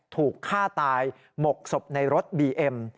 ถูกฆ่าตายหมกศพในรถบีเอ็ม